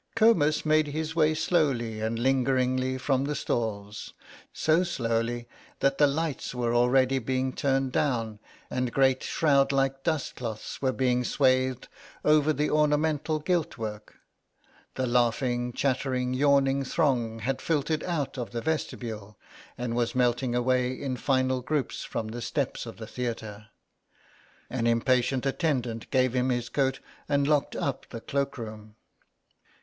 Comus made his way slowly and lingeringly from the stalls, so slowly that the lights were already being turned down and great shroud like dust cloths were being swaythed over the ornamental gilt work. The laughing, chattering, yawning throng had filtered out of the vestibule, and was melting away in final groups from the steps of the theatre. An impatient attendant gave him his coat and locked up the cloak room.